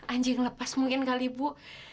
anjing lepas mungkin kali bu